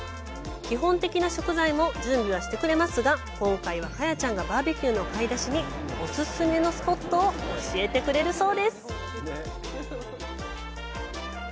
基本的な食材も準備はしてくれますが今回は、カヤちゃんがバーベキューの買い出しにお勧めのスポットを教えてくれるそうです。